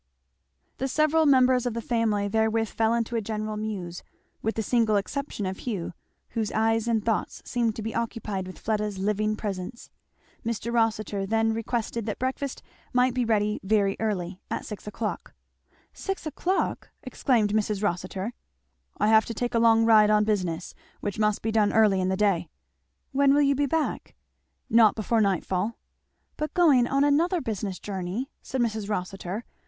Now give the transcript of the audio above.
The several members of the family therewith fell into a general muse, with the single exception of Hugh, whose eyes and thoughts seemed to be occupied with Fleda's living presence. Mr. Rossitur then requested that breakfast might be ready very early at six o'clock. "Six o'clock!" exclaimed Mrs. Rossitur. "I have to take a long ride, on business, which must be done early in the day." "When will you be back?" "Not before night fall." "But going on another business journey!" said Mrs. Rossitur.